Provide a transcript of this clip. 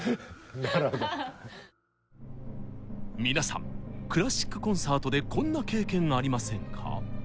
皆さんクラシックコンサートでこんな経験ありませんか？